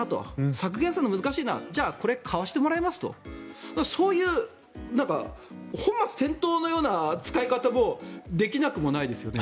削減するの難しいなじゃあこれ買わせてもらいますとそういう本末転倒のような使い方もできなくもないですね。